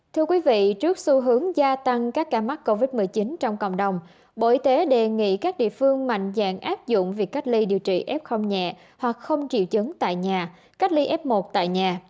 thưa quý vị trước xu hướng gia tăng các ca mắc covid một mươi chín trong cộng đồng bộ y tế đề nghị các địa phương mạnh dạng áp dụng việc cách ly điều trị f nhẹ hoặc không triệu chứng tại nhà cách ly f một tại nhà